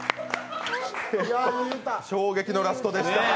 衝撃のラストでした。